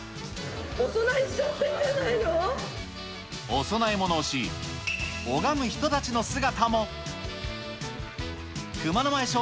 お供えしちゃってるんじゃなお供え物をし、拝む人たちの女性）